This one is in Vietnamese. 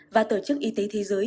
và tổ chức y tế thế giới